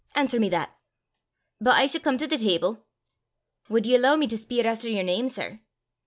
answer me that. But I s' come to the table. Wud ye alloo me to speir efter yer name, sir?"